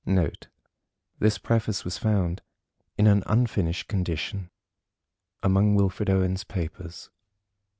Note. This Preface was found, in an unfinished condition, among Wilfred Owen's papers.